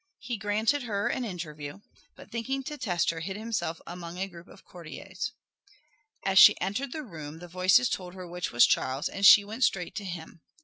He granted her an interview, but thinking to test her, hid himself among a group of courtiers. As she entered the room the voices told her which was Charles and she went straight to him.